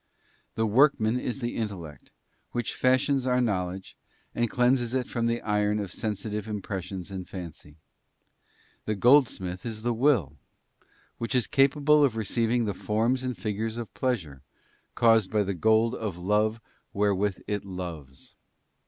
'§ The _ workman is the intellect, which fashions our knowledge, and _ cleanses it from the iron of sensitive impressions and fancy. _ The goldsmith is the will, which is capable of receiving the forms and figures of pleasure caused by the gold of love where _ with it loves.